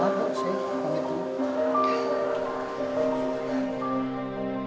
lama dong sih panitia